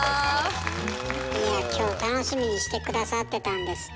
いやぁ今日楽しみにして下さってたんですって？